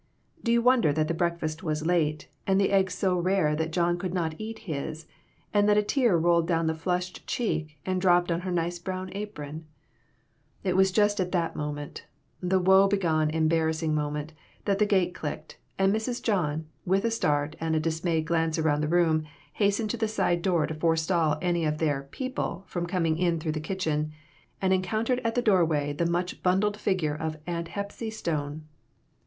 Do you wonder that the breakfast was late, and the eggs so rare that John could not eat his, and that a tear rolled down the flushed cheek, and dropped on her nice brown apron ? It was just at that moment the woe be gone, embarrassing moment that the gate clicked, and Mrs. John, with a start and a dismayed glance around the room, hastened to the side door to forestall any of their "people" from coming in through the kitchen, and encountered in the door way the much bundled figure of Aunt Hepsy Stone.